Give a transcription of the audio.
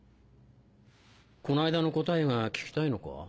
この間の答えが聞きたいのか？